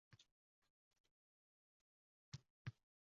Doʻstimning to‘rt nafar farzandi bor, ulardan biri hali bir yoshga kirmagan.